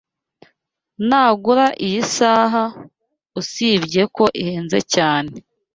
Nagura iyi saha, usibye ko ihenze cyane.